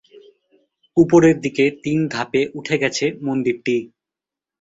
উপরের দিকে তিন ধাপে উঠে গেছে মন্দিরটি।